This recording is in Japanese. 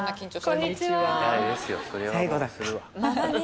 こんにちは。